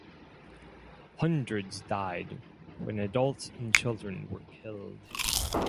Hundreds died when adults and children were killed.